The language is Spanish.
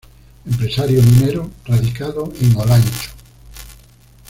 Empresario minero radicado en Olancho.